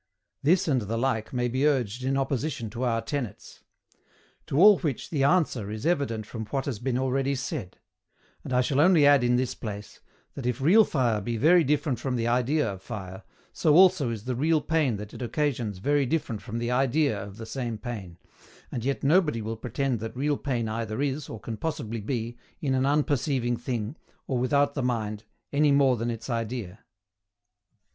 This and the like may be urged in opposition to our tenets. To all which the ANSWER is evident from what has been already said; and I shall only add in this place, that if real fire be very different from the idea of fire, so also is the real pain that it occasions very different from the idea of the same pain, and yet nobody will pretend that real pain either is, or can possibly be, in an unperceiving thing, or without the mind, any more than its idea.